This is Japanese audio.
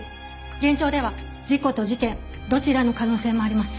現状では事故と事件どちらの可能性もあります。